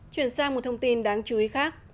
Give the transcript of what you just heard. chuyển sang một thông tin đáng chú ý khác